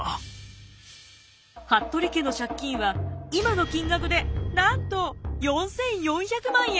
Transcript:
服部家の借金は今の金額でなんと４，４００万円！